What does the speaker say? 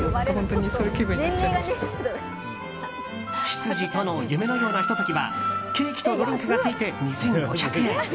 執事との夢のようなひと時はケーキとドリンクがついて２５００円。